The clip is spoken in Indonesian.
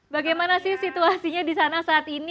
bagaimana sih situasinya di sana saat ini